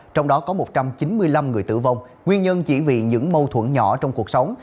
trong đó có một trăm chín mươi năm người tử vong nguyên nhân chỉ vì những mâu thuẫn nhỏ trong cuộc sống